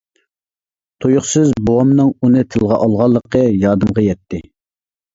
تۇيۇقسىز بوۋامنىڭ ئۇنى تىلغا ئالغانلىقى يادىمغا يەتتى.